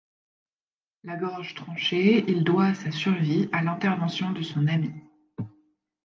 La gorge tranchée, il doit sa survie à l'intervention de son ami.